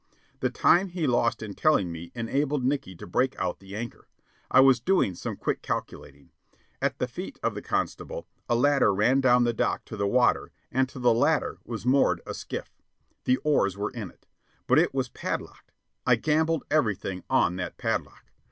The time he lost in telling me enabled Nickey to break out the anchor. I was doing some quick calculating. At the feet of the constable a ladder ran down the dock to the water, and to the ladder was moored a skiff. The oars were in it. But it was padlocked. I gambled everything on that padlock.